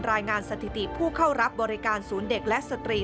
รายงานสถิติผู้เข้ารับบริการศูนย์เด็กและสตรี